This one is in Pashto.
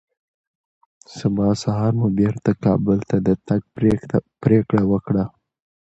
سبا سهار مو بېرته کابل ته د تګ پرېکړه وکړه